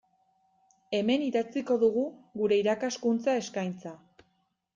Hemen idatziko dugu gure irakaskuntza eskaintza.